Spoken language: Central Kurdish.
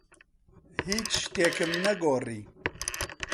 هیچ شتێکم نەگۆڕی.